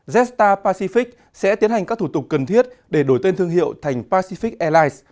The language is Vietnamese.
jetstar pacific sẽ tiến hành các thủ tục cần thiết để đổi tên thương hiệu thành pacific airlines